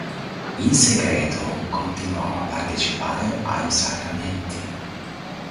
In segreto continuava a partecipare ai sacramenti.